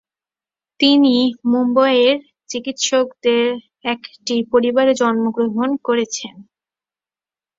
তিনি মুম্বইয়ের চিকিৎসকদের একটি পরিবারে জন্মগ্রহণ করেছেন।